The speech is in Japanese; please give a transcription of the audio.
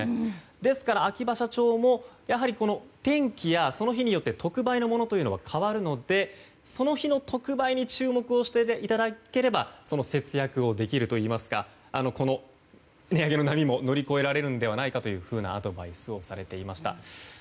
ですから、秋葉社長も天気やその日によって特売のものというのは変わるのでその日の特売に注目していただければ節約できるといいますかこの値上げの波を乗り越えられるのではというアドバイスをされていました。